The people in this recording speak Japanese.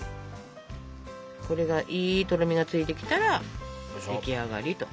これがいいとろみがついてきたら出来上がりと。